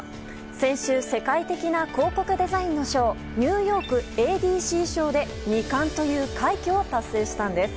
先週、世界的な広告デザインの賞ニューヨークＡＤＣ賞で２冠という快挙を達成したんです。